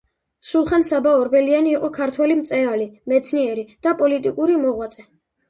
სულხან-საბა ორბელიანი იყო ქართველი მწერალი, მეცნიერი და პოლიტიკური მოღვაწე